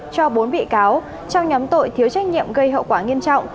cho bốn bị cáo trong nhóm tội thiếu trách nhiệm gây hậu quả nghiêm trọng